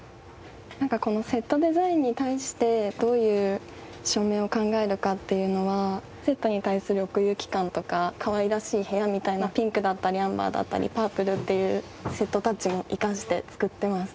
なんかこのセットデザインに対してどういう照明を考えるかっていうのはセットに対する奥行き感とかかわいらしい部屋みたいなピンクだったりアンバーだったりパープルっていうセットタッチも生かして作ってます。